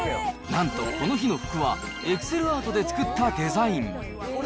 なんと、この日の服はＥｘｃｅｌアートで作ったデザイン。